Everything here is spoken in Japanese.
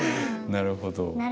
なるほど。